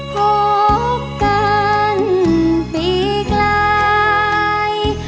พบกันปีไกล